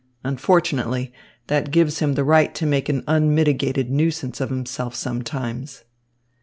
Unfortunately, that gives him the right to make an unmitigated nuisance of himself sometimes."